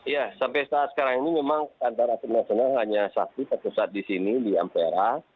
ya sampai saat sekarang ini memang kantor asib nasional hanya satu satu saat di sini di ampera